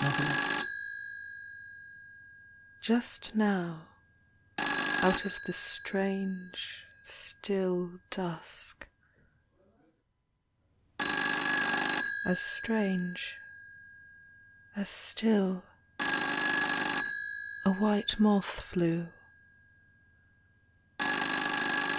THE WARNING Just now, Out of the strange Still dusk ... as strange, as still .. A white moth flew.